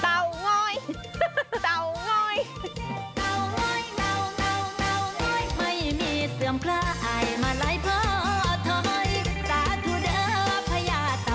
เต่าง้อยเต่าง้อย